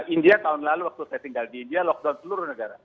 india tahun lalu waktu saya tinggal di india lockdown seluruh negara